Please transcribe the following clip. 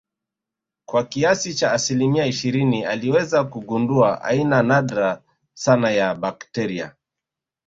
kwa kiasi cha asilimia ishirini aliweza kugundua aina nadra sana ya bakteria